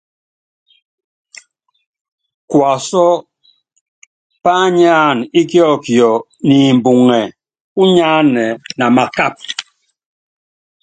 Kuasú pányánana íkiɔkiɔ ni imbuŋɛ, namakapa.